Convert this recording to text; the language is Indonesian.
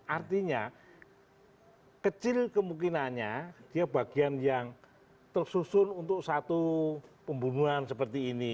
artinya kecil kemungkinannya dia bagian yang tersusun untuk satu pembunuhan seperti ini